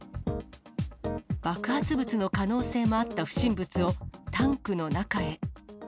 爆発物の可能性もあった不審物を、タンクの中へ。